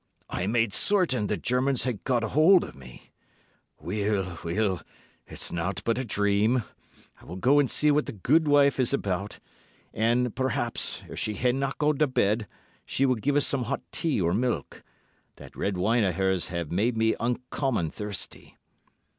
"I made certain the Germans had got hold of me. Weel, weel, it's nowt but a dream. I will go and see what the gude wife is about, and, perhaps, if she hae not gone to bed, she will gie us some hot tea or milk—that red wine of hers hae made me uncommon thirsty."